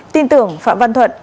tin tưởng phạm văn thuận